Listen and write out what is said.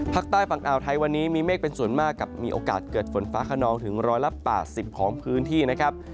ภาคใต้ฝั่งอ่าวไทยวันนี้มีเมฆเป็นส่วนมากกับมีโอกาสเกิดฝนฟ้าขนองถึง๑๘๐ของพื้นที่นะครับ